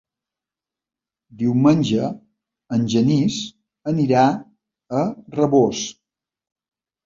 Diumenge en Genís anirà a Rabós.